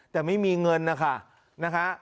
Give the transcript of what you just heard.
แต่ไม่มีเงินนะคะ